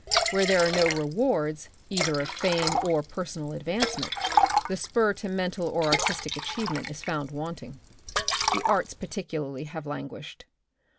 Where there are no rewards either of fame or personal advancement, the spur to mental or artistic achievement is found wanting. The arts par ticularly have languished.